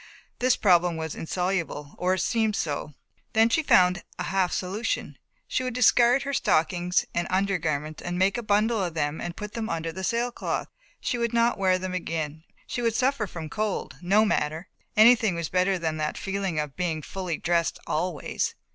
This problem was insoluble, or seemed so. Then she found a half solution. She would discard her stockings and under garments, make a bundle of them and put them under the sailcloth, she would not wear them again, she would suffer from cold, no matter, anything was better than that feeling of being fully dressed always.